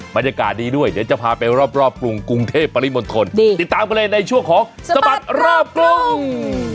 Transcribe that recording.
บรรยากาศดีด้วยเดี๋ยวจะพาไปรอบกรุงกรุงเทพปริมณฑลติดตามกันเลยในช่วงของสบัดรอบกรุง